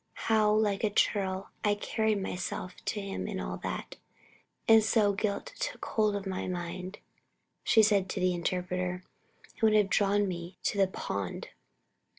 How like a churl I carried myself to him in all that! And so guilt took hold of my mind," she said to the Interpreter, "and would have drawn me to the pond!"